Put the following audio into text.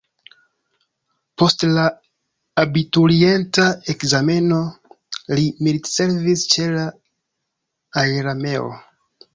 Post la abiturienta ekzameno li militservis ĉe la aerarmeo.